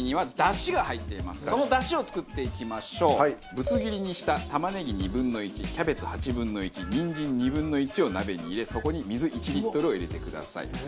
ぶつ切りにした玉ねぎ２分の１キャベツ８分の１にんじん２分の１を鍋に入れそこに水１リットルを入れてください。